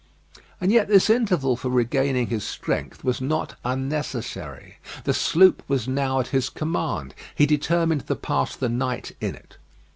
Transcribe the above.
And yet this interval for regaining his strength was not unnecessary. The sloop was now at his command; he determined to pass the night in it.